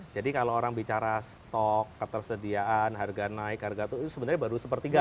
jadi kalau orang bicara stok ketersediaan harga naik harga turun itu sebenarnya baru sepertiga